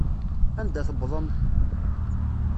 Anda tewḍem?